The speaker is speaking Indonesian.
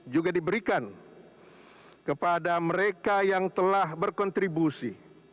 juga diberikan kepada mereka yang telah berkontribusi